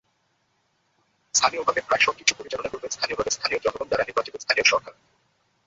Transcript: স্থানীয়ভাবে প্রায় সবকিছু পরিচালনা করবে স্থানীয়ভাবে স্থানীয় জনগণ দ্বারা নির্বাচিত স্থানীয় সরকার।